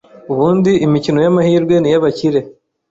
“Ubundi imikino y’amahirwe niyabakire